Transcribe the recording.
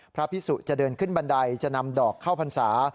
พระพิสุจะเดินขึ้นบันไดจะนำดอกเข้าพรรษา